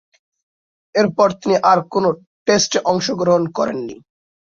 এরপর তিনি আর কোন টেস্টে অংশগ্রহণ করেননি।